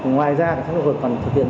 ngoài ra cảnh sát khu vực còn thực hiện